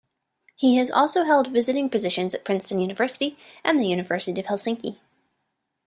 He has also held visiting positions at Princeton University and the University of Helsinki.